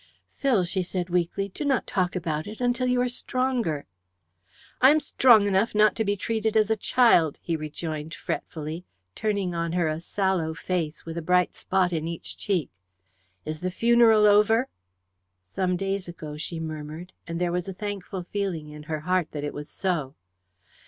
"Phil," she said weakly, "do not talk about it until you are stronger." "I am strong enough not to be treated as a child," he rejoined fretfully, turning on her a sallow face, with a bright spot in each cheek. "Is the funeral over?" "Some days ago," she murmured, and there was a thankful feeling in her heart that it was so.